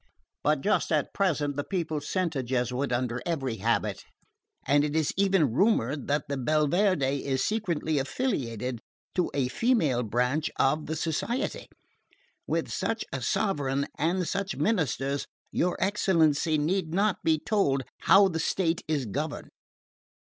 But just at present the people scent a Jesuit under every habit, and it is even rumoured that the Belverde is secretly affiliated to a female branch of the Society. With such a sovereign and such ministers, your excellency need not be told how the state is governed.